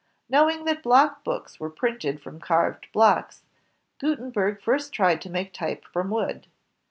Knowing that block books were printed from carved blocks, Gutenberg first tried to make type from wood.